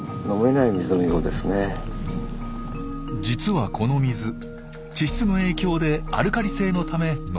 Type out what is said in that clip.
実はこの水地質の影響でアルカリ性のため飲めません。